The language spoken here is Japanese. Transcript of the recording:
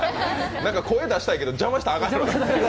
声出したいけど邪魔したらあかんという。